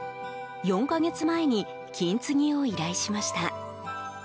４か月前に金継ぎを依頼しました。